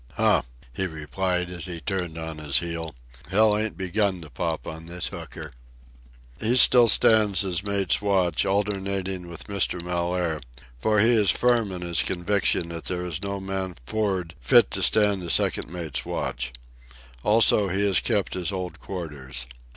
"Huh!" he replied, as he turned on his heel. "Hell ain't begun to pop on this hooker." He still stands his mate's watch, alternating with Mr. Mellaire, for he is firm in his conviction that there is no man for'ard fit to stand a second mate's watch. Also, he has kept his old quarters.